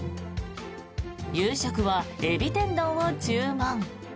夕食は海老天丼を注文。